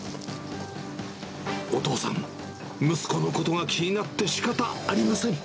お父さん、息子のことが気になってしかたありません。